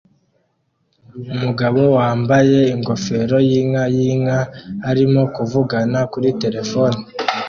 umugabo wambaye ingofero yinka yinka arimo kuvugana kuri terefone